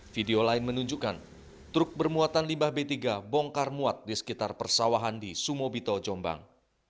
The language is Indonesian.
video lain menunjukkan truk bermuatan limbah b tiga bongkar muat di sekitar persawahan di sumobito jombang